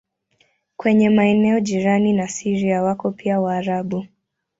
Kwenye maeneo jirani na Syria wako pia Waarabu.